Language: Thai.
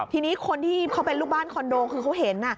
ทีนี้คนที่เขาเป็นลูกบ้านคอนโดคือเขาเห็น